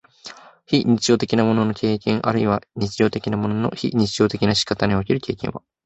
非日常的なものの経験あるいは日常的なものの非日常的な仕方における経験は、